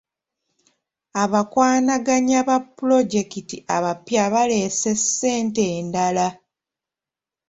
Abakwanaganya ba pulojekiti abapya baleese ssente endala.